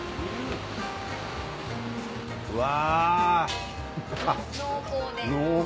うわ！